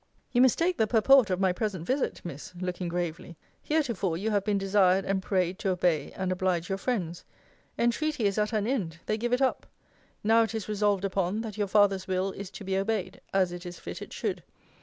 You mistake the purport of my present visit, Miss: [looking gravely] Heretofore you have been desired and prayed to obey and oblige your friends. Entreaty is at an end: they give it up. Now it is resolved upon, that your father's will is to be obeyed; as it is fit it should.